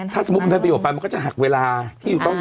ถ้าสมมติมันไปออกไปจะหักเวลาที่มันบ้าง